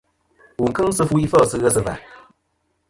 Wù n-kɨŋ sɨ fu ifêl sɨ ghesɨ̀và.